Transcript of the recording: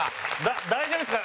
大丈夫ですか？